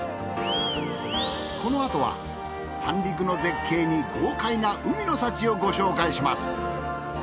このあとは三陸の絶景に豪快な海の幸をご紹介します